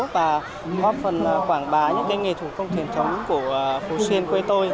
và góp phần quảng bá những nghề thủ công truyền thống của phú xuyên quê tôi